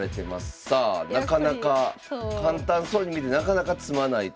さあなかなか簡単そうに見えてなかなか詰まないという。